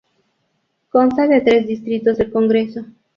Consta de tres distritos del congreso.